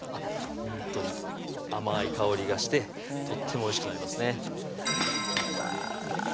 ほんとに甘い香りがしてとってもおいしくなりますねうわ